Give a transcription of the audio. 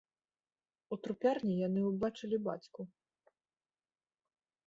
У трупярні яны ўбачылі бацьку.